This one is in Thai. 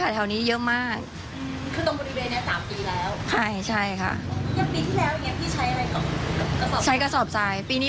พี่จะเอาไว้เลี้ยงปลาหรือข้างใน